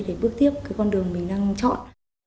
để bước tiếp con đường mình đang chọn